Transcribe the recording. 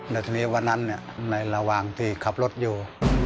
แล้วทีนี้วันนั้นในระหว่างที่ขับรถอยู่